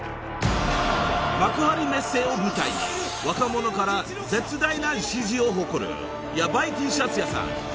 ［幕張メッセを舞台に若者から絶大な支持を誇るヤバイＴシャツ屋さん。